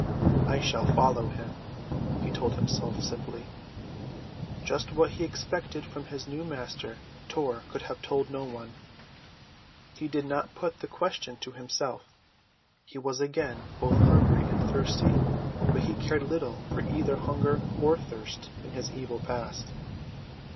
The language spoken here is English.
"I shall follow him," he told himself simply. Just what he expected from his new Master Tor could have told no one. He did not put the question to himself. He was again both hungry and thirsty; but he had cared little for either hunger or thirst in his evil past.